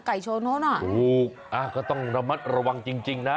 ชนเขาน่ะถูกอ่าก็ต้องระมัดระวังจริงจริงนะ